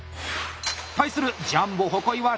対するジャンボ鉾井は